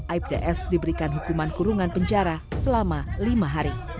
aibda s diberikan hukuman kurungan penjara selama lima hari